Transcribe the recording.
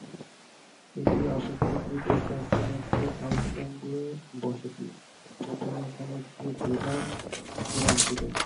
এটি অপেক্ষাকৃত প্রাচীন একটি আইসল্যান্ডীয় বসতি; প্রথমে এখানে একটি জেলে গ্রাম ছিল।